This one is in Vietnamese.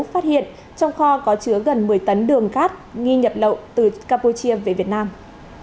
phát hiện trong kho có chứa gần một mươi tấn đường cát nghi nhập lậu từ campuchia về việt nam